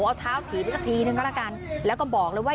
เอาเท้าถี่นิดสักทีด้วยก็แล้วกัน